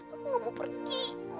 aku gak mau pergi